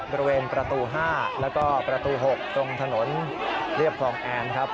บริเวณประตู๕แล้วก็ประตู๖ตรงถนนเรียบคลองแอนครับ